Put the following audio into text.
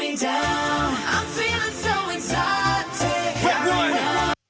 inilah sandiola uno